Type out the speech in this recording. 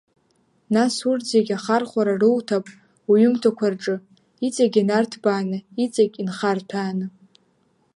Нас урҭ зегьы ахархәара руҭап уҩымҭақәа рҿы, иҵагь инарҭбааны, иҵагь инхарҭәааны…